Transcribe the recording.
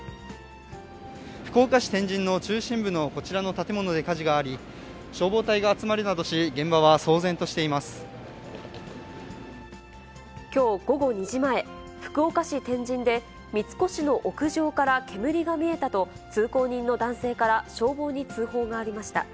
福岡市天神の中心部のこちらの建物で火事があり、消防隊が集まるなどし、きょう午後２時前、福岡市天神で、三越の屋上から煙が見えたと、通行人の男性から消防に通報がありました。